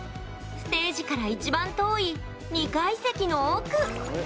ステージから一番遠い２階席の奥。